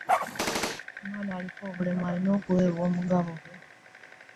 Omwana aliko obulemu alina okuwebwa omugabo gwe.